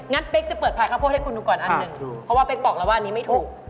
เป๊กจะเปิดขายข้าวโพดให้คุณดูก่อนอันหนึ่งเพราะว่าเป๊กบอกแล้วว่าอันนี้ไม่ถูก